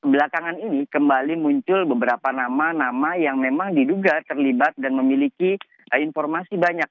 belakangan ini kembali muncul beberapa nama nama yang memang diduga terlibat dan memiliki informasi banyak